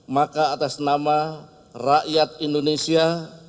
maka atas nama rakyat indonesia